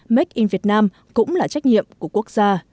make in vietnam cũng là trách nhiệm của quốc gia